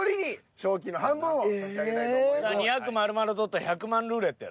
２００まるまる獲ったら１００万ルーレットやろ？